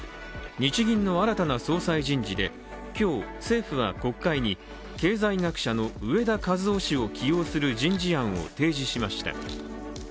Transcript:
日銀の新たな総裁人事で今日、政府は国会に経済学者の植田和男氏を起用する人事案を提示しました。